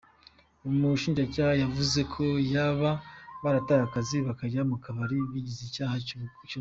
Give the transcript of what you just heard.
Umushinjacyaha yavuze ko kuba barataye akazi bakajya mu kabari bigize icyaha cy’ubugande.